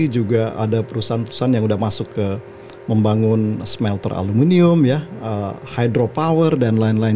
juga ada perusahaan perusahaan yang sudah masuk ke membangun smelter aluminium hydropower dan lain lain